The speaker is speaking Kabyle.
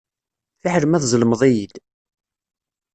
Fiḥel ma tzellmeḍ-iyi-d.